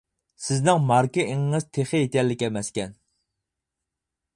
سىزنىڭ ماركا ئېڭىڭىز تېخى يېتەرلىك ئەمەسكەن.